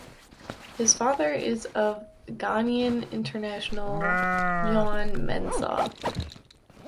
He is the father of Ghanaian international John Mensah.